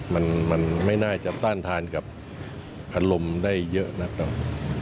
มันไม่น่าจะต้านทานกับอารมณ์ได้เยอะนะครับ